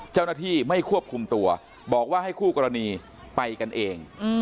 เจ้าหน้าที่ไม่ควบคุมตัวบอกว่าให้คู่กรณีไปกันเอง